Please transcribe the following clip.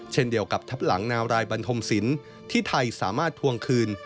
เช่นเดียวกับทับหลังนาวรายบันทมศิลป์ที่ไทยสามารถทวงคืน